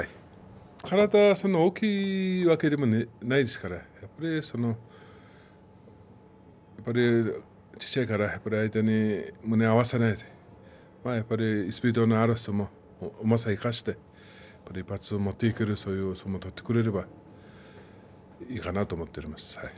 体はそんなに大きいわけではないですからやっぱり割合、小っちゃいからがっぷり相手に胸を合わさないでスピードのある相撲、うまさを生かして１発でもっていけるそういう相撲を取ってくれればいいかなと思っております。